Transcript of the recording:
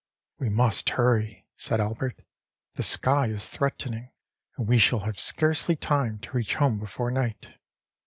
âWe must hurry,â said Albert; âthe sky is threatening, and we shall have scarcely time to reach home before night.